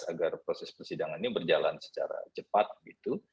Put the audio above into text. agar proses persidangan ini berjalan secara cepat gitu